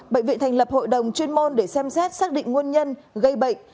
bệnh viện thành lập hội đồng chuyên môn để xem xét xác định nguồn nhân gây bệnh